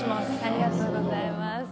ありがとうございます。